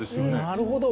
なるほど！